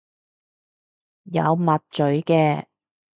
有抹嘴嘅